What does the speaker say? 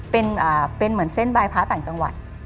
เป็นเหมือนเส้นบายพระต่างจังหวัด